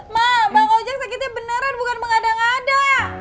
ma bang ojak sakitnya beneran bukan mengandungnya